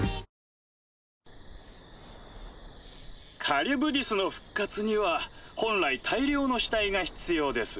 カリュブディスの復活には本来大量の死体が必要です。